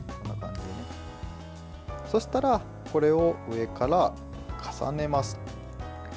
そうしたらこれを上から重ねます。